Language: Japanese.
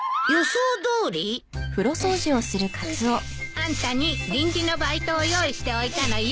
あんたに臨時のバイトを用意しておいたのよ。